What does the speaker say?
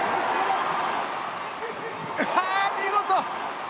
見事！